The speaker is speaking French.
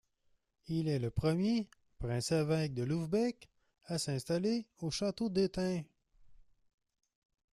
Il est le premier Prince-évêque de Lübeck a s'installer au château d'Eutin.